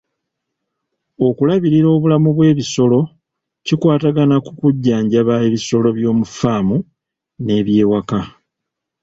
Okulabirira obulamu bw'ebisolo kikwatagana ku kujjanjaba ebisolo by'omu faamu n'ebyewaka.